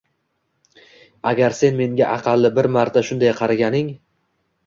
Agar sen menga aqalli bir marta shunday qaraganing